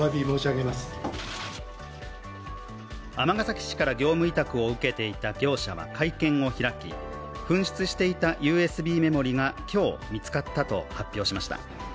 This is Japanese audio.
尼崎市から業務委託を受けていた業者は会見を開き紛失していたＵＳＢメモリーが今日、見つかったと発表しました。